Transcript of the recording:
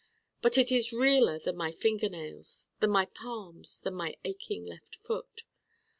But it is realer than my fingernails: than my palms: than my aching left foot.